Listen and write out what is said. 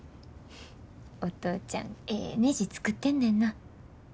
お父ちゃんええねじ作ってんねんな。